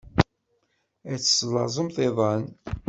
Ad teslaẓemt iḍan.